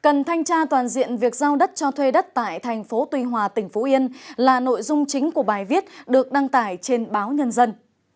cần thanh tra toàn diện việc giao đất cho thuê đất tại thành phố tuy hòa tỉnh phú yên là nội dung chính của bài viết được đăng tải trên báo nhân dân